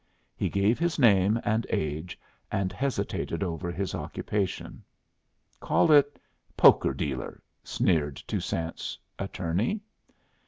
He gave his name and age, and hesitated over his occupation. "Call it poker dealer," sneered Toussaint's attorney.